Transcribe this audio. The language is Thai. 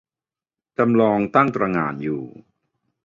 จำลองตั้งตระหง่านอยู่